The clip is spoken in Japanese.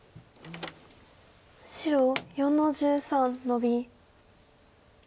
白４の十三ノビ。